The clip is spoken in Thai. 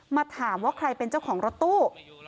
มาถามว่าใครเป็นเจ้าของรถตู้